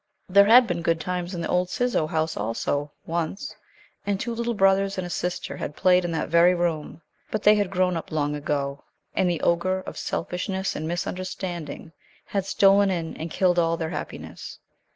There had been good times in the old Ciseaux house also, once, and two little brothers and a sister had played in that very room; but they had grown up long ago, and the ogre of selfishness and misunderstanding had stolen in and killed all their happiness.